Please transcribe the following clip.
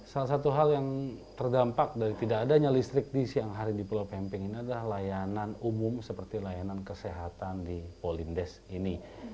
salah satu hal yang terdampak dari tidak adanya listrik di siang hari di pulau pemping ini adalah layanan umum seperti layanan kesehatan di polindes ini